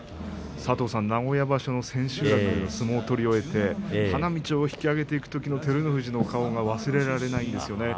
名古屋場所の千秋楽相撲を取り上げて花道を引き揚げていくときの照ノ富士の顔が忘れられないですよね。